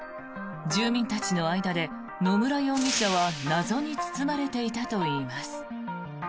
住民たちの間で野村容疑者は謎に包まれていたといいます。